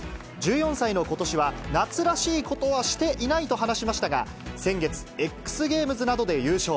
１４歳のことしは、夏らしいことはしていないと話しましたが、先月、Ｘゲームズなどで優勝。